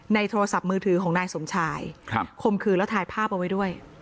โทรศัพท์มือถือของนายสมชายคมคืนแล้วถ่ายภาพเอาไว้ด้วย